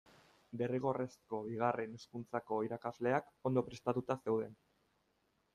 Derrigorrezko Bigarren Hezkuntzako irakasleak ondo prestatuta zeuden.